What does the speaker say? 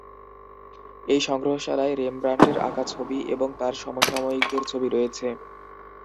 এই সংগ্রহশালায় রেমব্রান্টের আঁকা ছবি এবং তার সমসাময়িকদের ছবি রয়েছে।